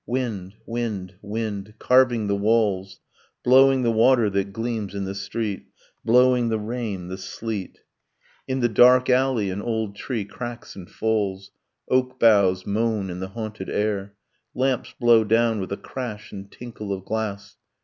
Wind; wind; wind; carving the walls; Blowing the water that gleams in the street; Blowing the rain, the sleet. In the dark alley, an old tree cracks and falls, Oak boughs moan in the haunted air; Lamps blow down with a crash and tinkle of glass